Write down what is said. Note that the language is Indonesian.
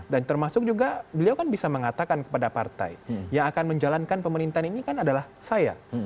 dan termasuk juga beliau kan bisa mengatakan kepada partai yang akan menjalankan pemerintahan ini kan adalah saya